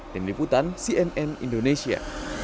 deni putan cnn indonesia